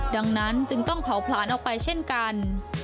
ดังนั้นจึงต้องเผาผลาญออกไปเช่นกัน